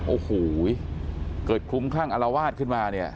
โอ้โหเกิดคลุมข้างอลวาสขึ้นมานี่